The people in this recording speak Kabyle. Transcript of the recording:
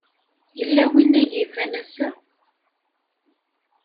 Yella win ay iban ass-a?